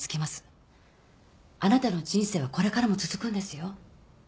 あなたの人生はこれからも続くんですよ。